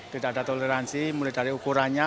tidak ada toleransi mulai dari ukurannya